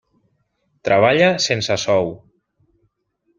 Treballa sense sou.